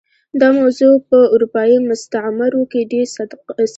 دا موضوع په اروپايي مستعمرو کې ډېر صدق کوي.